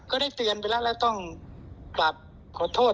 ก็ได้เตือนไปแล้วแล้วต้องกลับขอโทษ